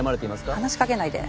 話しかけないで。